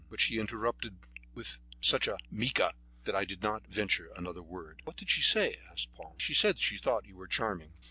But she interrupted with such a "Mica!" that I did not venture on another word. "What did she say?" Paul asked. "She said she thought you were charming."